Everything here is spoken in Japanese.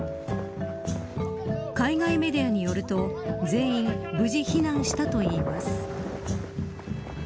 海外メディアによると、全員無事避難したといいます。